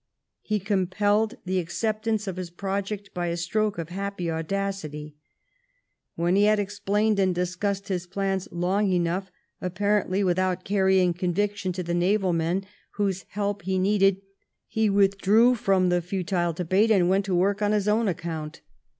He compelled the acceptance of his project by a stroke of happy audacity. When he had explained and discussed his plans long enough, apparently with out carrying conviction to the naval men whose help he needed, he withdrew from the futile debate, and went to work on his own account.